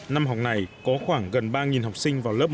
năm học này có khoảng gần ba học sinh vào lớp một